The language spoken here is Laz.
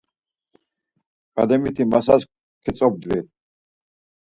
Ǩelemiti masas ketzobdvi.